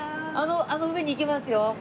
あの上に行きますよ。